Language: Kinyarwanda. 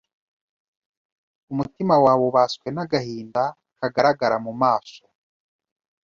umutima wawe ubaswe n’agahinda kagaragara mu maso